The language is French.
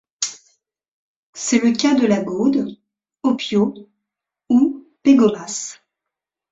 C'est le cas de La Gaude, Opio ou Pégomas.